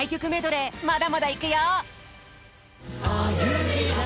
まだまだいくよ！